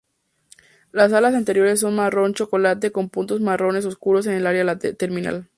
Las alas anteriores son marrón chocolate con puntos marrones oscuros en el área terminal.